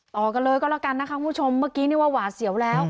ต่อกันเลยก็แล้วกันนะคะคุณผู้ชมเมื่อกี้นี่ว่าหวาดเสียวแล้ว